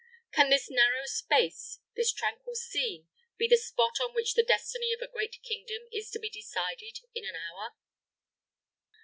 Can this narrow space, this tranquil scene, be the spot on which the destiny of a great kingdom is to be decided in an hour?